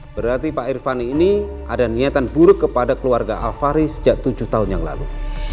berarti pak irvani ini ada niatan buruk kepada keluarga alfari sejak tujuh tahun yang lalu